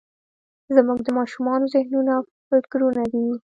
زموږ د ماشومانو ذهنونه او فکرونه دي.